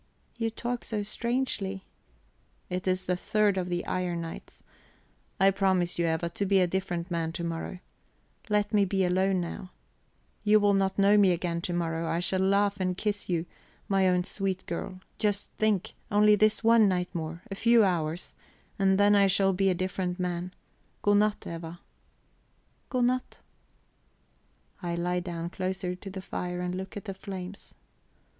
"You talk so strangely." "It is the third of the iron nights. I promise you, Eva, to be a different man to morrow. Let me be alone now. You will not know me again to morrow, I shall laugh and kiss you, my own sweet girl. Just think only this one night more, a few hours and then I shall be a different man. Godnat, Eva." "Godnat." I lie down closer to the fire, and look at the flames.